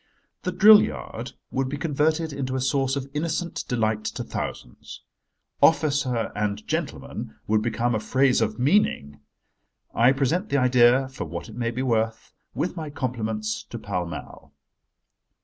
The drill yard would be converted into a source of innocent delight to thousands. "Officer and gentleman" would become a phrase of meaning. I present the idea, for what it may be worth, with my compliments, to Pall Mall.